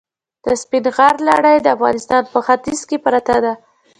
د سپین غر لړۍ د افغانستان په ختیځ کې پرته ده.